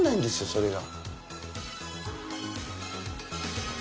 それが。